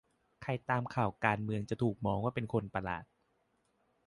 ใครตามข่าวการเมืองจะถูกมองว่าเป็นคนประหลาด